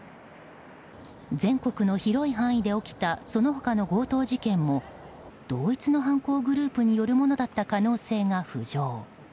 全国の広い範囲で起きたその他の強盗事件も同一の犯行グループによるものだった可能性が浮上。